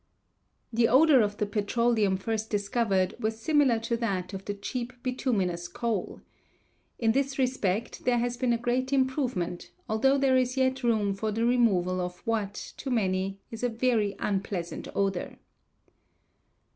The odor of the petroleum first discovered was similar to that of the cheap bituminous coal. In this respect there has been a great improvement, although there is yet room for the removal of what, to many, is a very unpleasant odor.